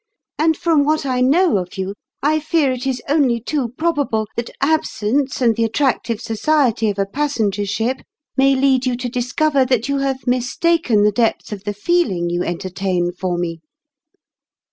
And from what I know of you, I fear it is only too prohahlo that ab sence and the attractive society of a passen ger ship may lead you to discover that you have mistaken the depth of the feeling you entertain for me."